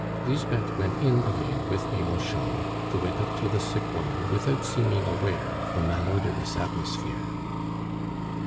Lisbeth went in again with Bianchon, who went up to the sick woman without seeming aware of the malodorous atmosphere.